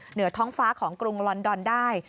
เหนือท้องฟ้าของกรุงลอนดอนได้